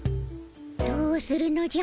どうするのじゃ？